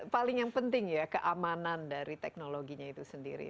paling yang penting ya keamanan dari teknologinya itu sendiri